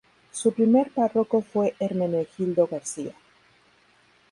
Su primer párroco fue Hermenegildo García.